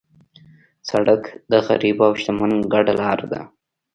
سړک د غریب او شتمن ګډه لار ده.